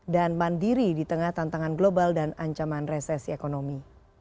dan mandiri di tengah tantangan global dan ancaman resesi ekonomi